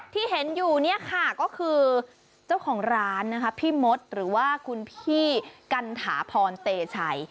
ที่เห็นอยู่เนี่ยค่ะก็คือเจ้าของร้านนะคะพี่มดหรือว่าคุณพี่กันถาพรเตชัย